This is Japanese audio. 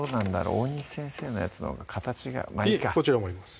大西先生のやつのほうが形がまっいいかこちら盛ります